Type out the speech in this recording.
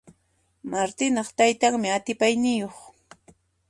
Martinaq taytanmi atipayniyuq.